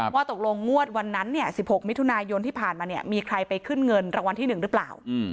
ว่าตกลงงวดวันนั้น๑๖มิถุนายนที่ผ่านมามีใครไปขึ้นเงินรางวัลที่๑หรือเปล่า